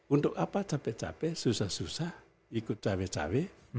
untuk apa cabai cabai susah susah ikut cabai cabai